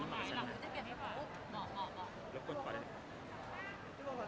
แล้วกดไป